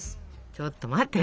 ちょと待って。